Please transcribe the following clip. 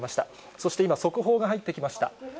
そして今、速報が入ってきました。